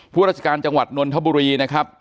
ผู้ราชการจังหวัดวลธบุรีนะครับ